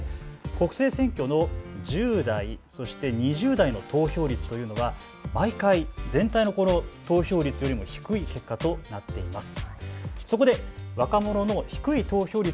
国政選挙の１０代そして２０代の投票率というのは毎回、全体の投票率よりも低い結果となっています。